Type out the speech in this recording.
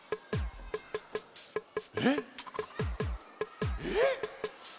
えっえっ？